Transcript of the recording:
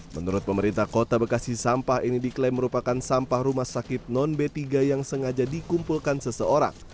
menurut pemerintah kota bekasi sampah ini diklaim merupakan sampah rumah sakit non b tiga yang sengaja dikumpulkan seseorang